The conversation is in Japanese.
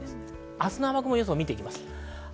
明日の雨雲予想を見ていきます。